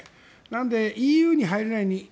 なので、ＥＵに入れない。